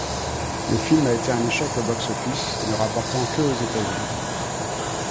Le film a été un échec au box-office, ne rapportant que aux États-Unis.